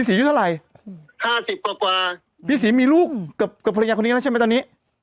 สวัสดีครับพี่